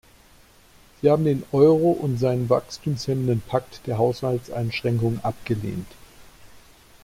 Sie haben den Euro und seinen wachstumshemmenden Pakt der Haushaltseinschränkungen abgelehnt.